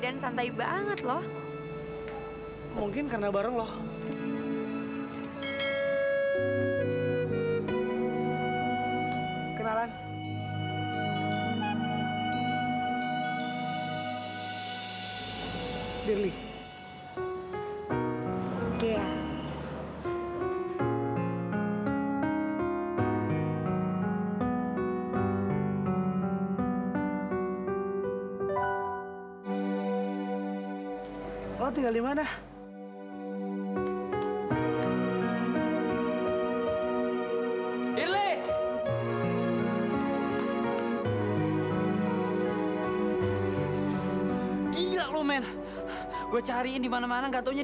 dan bisa tonton gini dengan tidak berpena